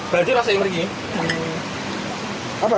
banjir masih yang pergi